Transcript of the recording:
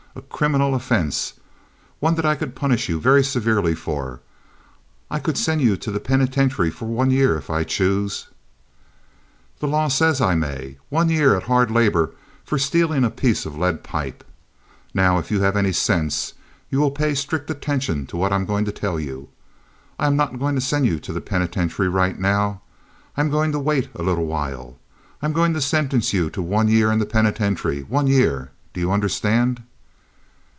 A criminal offense—one that I could punish you very severely for. I could send you to the penitentiary for one year if I chose—the law says I may—one year at hard labor for stealing a piece of lead pipe. Now, if you have any sense you will pay strict attention to what I am going to tell you. I am not going to send you to the penitentiary right now. I'm going to wait a little while. I am going to sentence you to one year in the penitentiary—one year. Do you understand?"